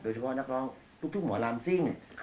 โดยเฉพาะนักร้องทุกหมอร่ำซิ่ง